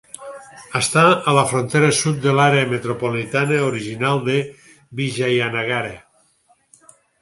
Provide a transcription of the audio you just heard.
Està a la frontera sud de l'àrea metropolitana original de Vijayanagara.